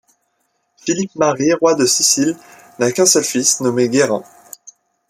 Philippe Marie, roi de Sicile, n'a qu'un seul fils, nommé Guerrin.